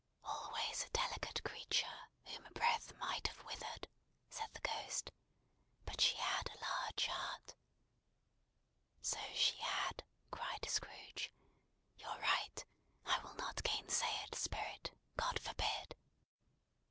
"Always a delicate creature, whom a breath might have withered," said the Ghost. "But she had a large heart!" "So she had," cried Scrooge. "You're right. I will not gainsay it, Spirit. God forbid!"